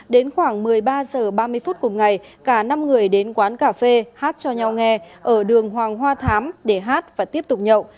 đến khoảng một mươi ba h ba mươi phút cùng ngày cả năm người đến quán cà phê hát cho nhau nghe ở đường hoàng hoa thám để hát và tiếp tục nhậu